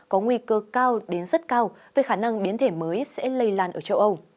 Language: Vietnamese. có nguy cơ cao đến rất cao về khả năng biến thể mới sẽ lây lan ở châu âu